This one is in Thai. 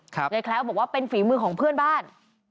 นายแคล้วบอกว่าเป็นฝีมือของเพื่อนบ้าน